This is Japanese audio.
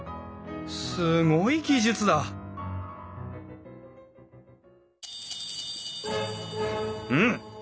すごい技術だうん！？